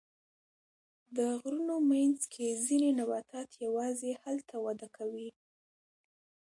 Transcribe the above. د غرونو منځ کې ځینې نباتات یوازې هلته وده کوي.